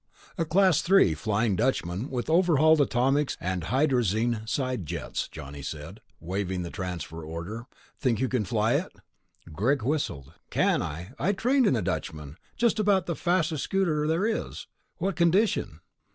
"A Class III Flying Dutchman with overhauled atomics and hydrazine side jets," Johnny said, waving the transfer order. "Think you can fly it?" Greg whistled. "Can I? I trained in a Dutchman ... just about the fastest scouter there is. What condition?"